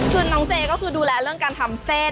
คือน้องเจก็คือดูแลเรื่องการทำเส้น